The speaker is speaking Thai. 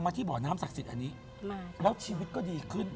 ที่บ่อน้ำศักดิ์สิทธิ์อันนี้แล้วชีวิตก็ดีขึ้น